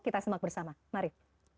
kita semak bersama mari